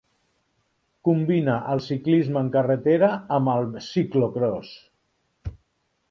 Combina el ciclisme en carretera amb el ciclocròs.